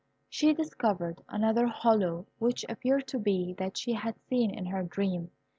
She discovered another hollow, which appeared to be that she had seen in her dream.